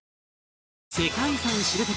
世界遺産知床